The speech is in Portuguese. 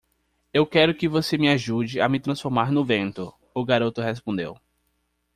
"Eu quero que você me ajude a me transformar no vento?" o garoto respondeu.